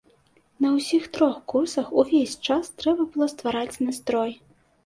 На ўсіх трох курсах увесь час трэба было ствараць настрой.